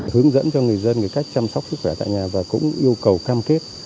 hướng dẫn cho người dân về cách chăm sóc sức khỏe tại nhà và cũng yêu cầu cam kết